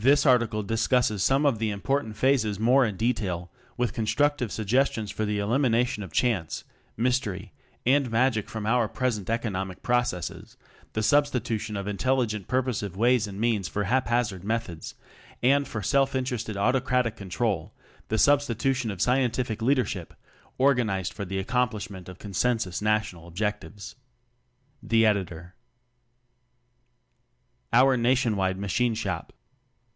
This article discusses some of the important phases more in detail, with constructive suggestions for the elimination of "chance," "mystery," and "magic" from our present economic processes, the substitution of intelligent purposive ways and means for haphazard methods; and for self interested autocratic control, the substitution of Scientific Leadership organized for the accomplishment of consensus National Objectives. Editor Our Nationwide Machine Shop.